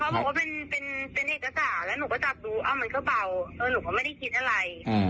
บอกว่าเป็นเอกสารแล้วหนูก็จับดูมันก็เบาเออหนูก็ไม่ได้คิดอะไร